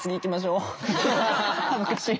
恥ずかしい。